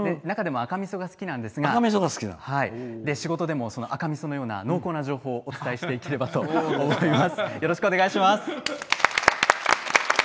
中でも赤みそが好きなんですが仕事でも赤みそのような濃厚な情報をお伝えしていければと思います。